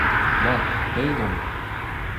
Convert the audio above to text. Ma, aet on !